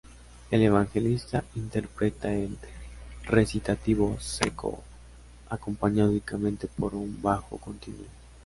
El Evangelista interpreta en recitativo "secco" acompañado únicamente por un bajo continuo.